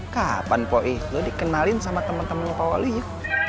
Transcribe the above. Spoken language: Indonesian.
kapan poi lo dikenalin sama teman temannya pak waluyo